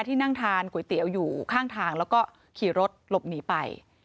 ที่นั่งทานก๋วยเตี๋ยวอยู่ข้างทางแล้วก็ขี่รถหลบหนีไป